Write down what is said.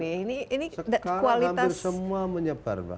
sekarang hampir semua menyebar mbak